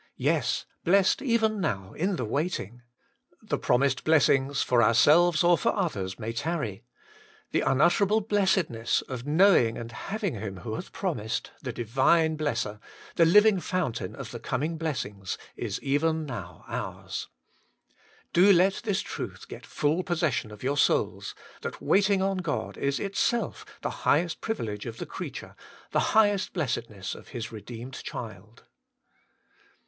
Yes, blessed even now in the waiting. The promised blessings, for ourselves, or for others, may tarry ; the imutterable blessedness of knowing and having Him who hath promised, the Divine Blesser, the Living Fountain of the coming blessings, is even now ours. Do let this truth get full possession of your souls, that waiting on God is itself the highest privilege of the creature, the highest blessedness of His redeemed child.